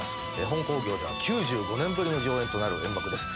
本興行では９５年ぶりの上演となる演目です。